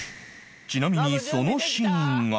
ちなみにそのシーンが